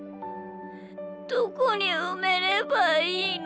どこにうめればいいの？